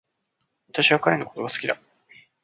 私は彼のことが好きだ